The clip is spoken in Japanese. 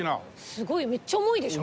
すごいめっちゃ重いでしょ？